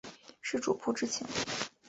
是主仆之情？